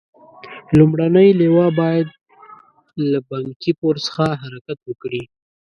لومړنۍ لواء باید له بنکي پور څخه حرکت وکړي.